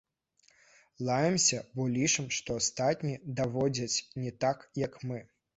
Лаемся, бо лічым, што астатнія даводзяць не так, як мы!